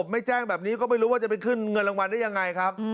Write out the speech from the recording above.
ไม่แจ้งแบบนี้ก็ไม่รู้ว่าจะไปขึ้นเงินรางวัลได้ยังไงครับ